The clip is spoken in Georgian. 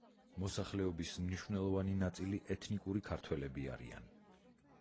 მოსახლეობის მნიშვნელოვანი ნაწილი ეთნიკური ქართველები არიან.